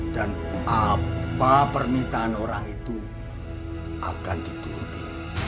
dan apa permintaan orang itu akan diturunkan